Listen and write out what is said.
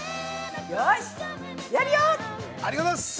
よーし、やるよっ！